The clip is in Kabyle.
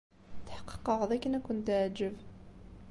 Tḥeqqeqeɣ d akken ad kent-teɛǧeb.